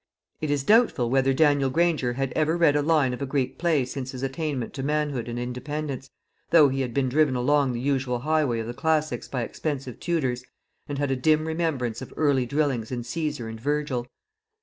It is doubtful whether Daniel Granger had ever read a line of a Greek play since his attainment to manhood and independence, though he had been driven along the usual highway of the Classics by expensive tutors, and had a dim remembrance of early drillings in Caesar and Virgil.